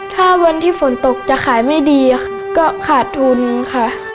ถ้าวันที่ฝนตกจะขายไม่ดีก็ขาดทุนค่ะ